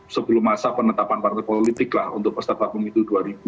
sebelum masa penetapan partai politik lah untuk pesetak papung itu dua ribu dua puluh empat